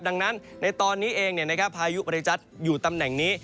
ดังนั้นในตอนนี้เองพายุบริจัทอยู่ตำแหน่งนี้